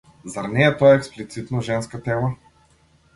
Зар не е тоа експлицитно женска тема?